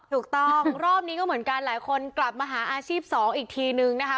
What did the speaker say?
ถูกต้องรอบนี้ก็เหมือนกันหลายคนกลับมาหาอาชีพสองอีกทีนึงนะคะ